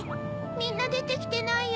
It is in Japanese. みんなでてきてないや。